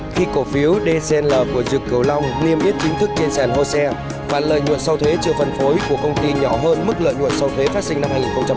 khi cổ phiếu dcnl của dược cửu long niêm yết chính thức trên sàn hô xe phản lợi nhuận sau thuế chưa phân phối của công ty nhỏ hơn mức lợi nhuận sau thuế phát sinh năm hai nghìn tám